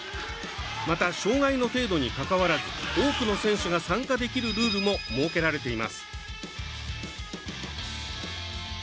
また、障がいの程度に関わらず多くの選手が参加できるルールも設けられています。